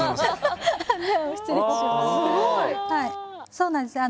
そうなんです。